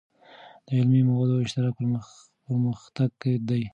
د علمي موادو اشتراک پرمختګ دی.